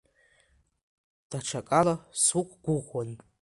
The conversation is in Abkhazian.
Даҽакала суқәгәыӷуан.